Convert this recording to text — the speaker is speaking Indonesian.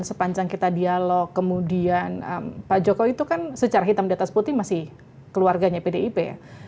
sepanjang kita dialog kemudian pak jokowi itu kan secara hitam di atas putih masih keluarganya pdip ya